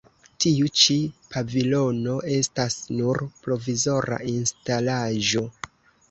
Tiu ĉi pavilono estas nur provizora instalaĵo.